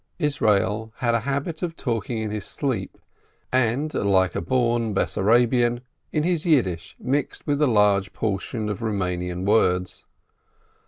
Israel had a habit of talking in his sleep, and, .like a born Bessarabian, in his Yiddish mixed with a large portion of Roumanian words.